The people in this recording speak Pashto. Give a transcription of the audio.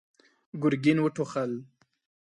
ګرګين وټوخل.